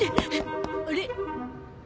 あれ？